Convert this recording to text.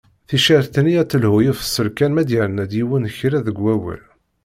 Ticcert-nni ad telhu i ufeṣṣel kan ma yerna-d yiwen kra deg awal.